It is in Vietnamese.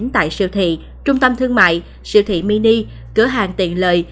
tại siêu thị trung tâm thương mại siêu thị mini cửa hàng tiện lợi